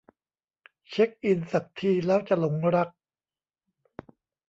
เช็กอินสักทีแล้วจะหลงรัก